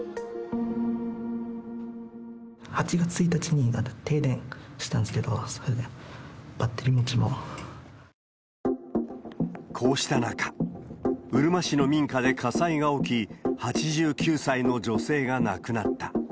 ８月１日に停電したんですけど、こうした中、うるま市の民家で火災が起き、８９歳の女性が亡くなった。